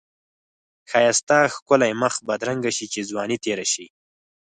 ښایسته ښکلی مخ بدرنګ شی چی ځوانی تیره شی.